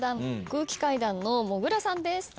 空気階段のもぐらさんです。